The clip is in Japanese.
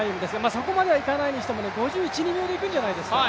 そこまではいかないにしても、５１５２秒でいくんじゃないですか。